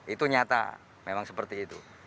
itu nyata memang seperti itu